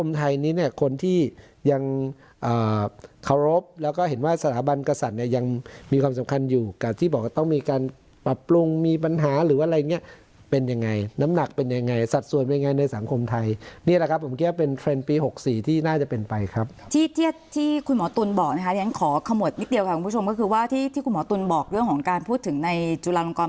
มีการปรับปรุงมีปัญหาหรือว่าอะไรอย่างเงี้ยเป็นยังไงน้ำหนักเป็นยังไงสัดส่วนเป็นยังไงในสังคมไทยนี่แหละครับผมเกลียดว่าเป็นเทรนด์ปีหกสี่ที่น่าจะเป็นไปครับที่ที่ที่คุณหมอตุ๋นบอกนะคะที่ฉันขอข้อมดนิดเดียวค่ะคุณผู้ชมก็คือว่าที่ที่คุณหมอตุ๋นบอกเรื่องของการพูดถึงในจุฬ